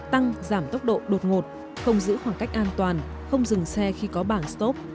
tăng giảm tốc độ đột ngột không giữ khoảng cách an toàn không dừng xe khi có bảng stop